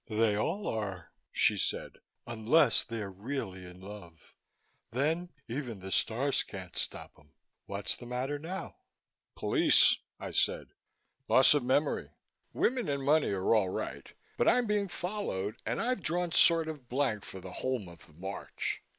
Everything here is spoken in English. "They all are," she said, "unless they're really in love. Then even the stars can't stop 'em. What's the matter now?" "Police," I said. "Loss of memory. Women and money are all right but I'm being followed and I've drawn sort of blank for the whole month of March.